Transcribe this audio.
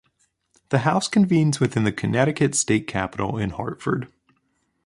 The House convenes within the Connecticut State Capitol in Hartford.